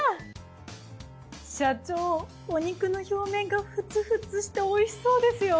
社長お肉の表面がフツフツしておいしそうですよ。